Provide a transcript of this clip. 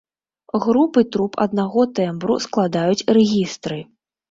Групы труб аднаго тэмбру складаюць рэгістры.